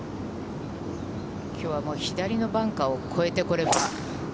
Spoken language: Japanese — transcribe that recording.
きょうはもう、左のバンカーを越えてくれば。